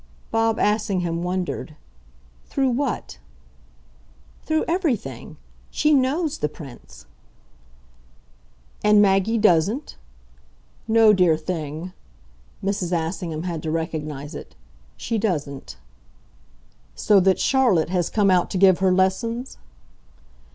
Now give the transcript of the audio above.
Bob Assingham wondered. "Through what?" "Through everything. She KNOWS the Prince." "And Maggie doesn't. No, dear thing" Mrs. Assingham had to recognise it "she doesn't." "So that Charlotte has come out to give her lessons?"